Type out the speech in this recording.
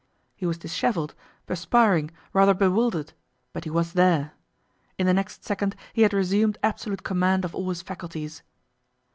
He was dishevelled, perspiring, rather bewildered; but he was there. In the next second he had resumed absolute command of all his faculties.